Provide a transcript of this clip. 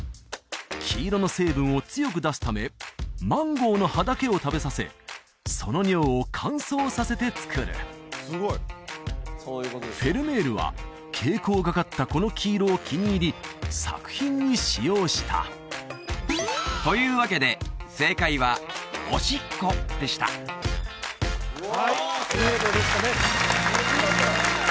黄色の成分を強く出すためマンゴーの葉だけを食べさせその尿を乾燥させて作るフェルメールは蛍光がかったこの黄色を気に入り作品に使用したというわけで見事でしたねお見事！